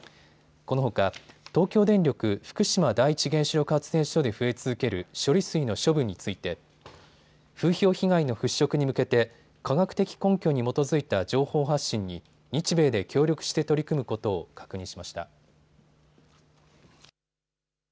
このほか東京電力福島第一原子力発電所で増え続ける処理水の処分について風評被害の払拭に向けて科学的根拠に基づいた情報発信に日米で協力して取り組むことを確認しました。